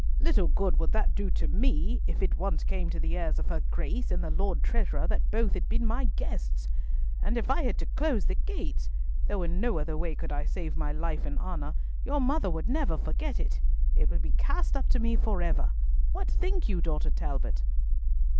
"Little good would that do to me, if once it came to the ears of her Grace and the Lord Treasurer that both had been my guests! And if I had to close the gates—though in no other way could I save my life and honour—your mother would never forget it. It would be cast up to me for ever. What think you, daughter Talbot?"